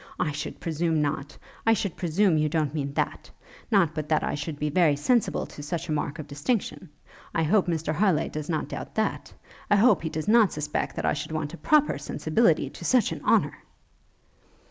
I should presume not; I should presume you don't mean that? Not but that I should be very sensible to such a mark of distinction. I hope Mr Harleigh does not doubt that? I hope he does not suspect I should want a proper sensibility to such an honour?'